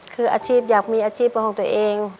คืออาชีพอยากมีอาชีพเป็นของตัวเอง